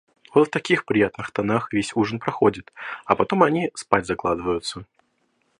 Вот в таких приятных тонах, весь ужин проходит, а потом они спать закладываются.